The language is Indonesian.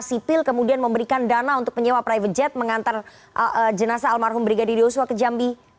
sipil kemudian memberikan dana untuk menyewa private jet mengantar jenazah almarhum brigadir yosua ke jambi